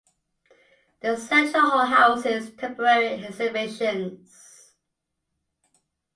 The Central Hall houses temporary exhibitions.